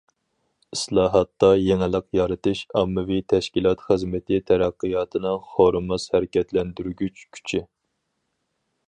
ئىسلاھاتتا يېڭىلىق يارىتىش ئاممىۋى تەشكىلات خىزمىتى تەرەققىياتىنىڭ خورىماس ھەرىكەتلەندۈرگۈچ كۈچى.